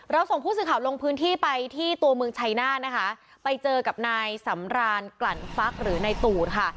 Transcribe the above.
ส่งผู้สื่อข่าวลงพื้นที่ไปที่ตัวเมืองชัยนาธนะคะไปเจอกับนายสำรานกลั่นฟักหรือนายตูนค่ะ